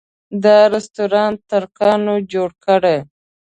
دا رسټورانټ ترکانو جوړه کړې.